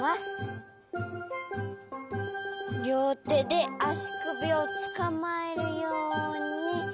りょうてであしくびをつかまえるように。